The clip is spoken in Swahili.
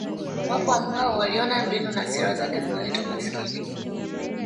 Wapo ambao waliona mbinu na sera zake zinaleta umasikini